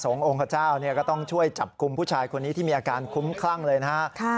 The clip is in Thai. องค์ขเจ้าก็ต้องช่วยจับกลุ่มผู้ชายคนนี้ที่มีอาการคุ้มคลั่งเลยนะฮะ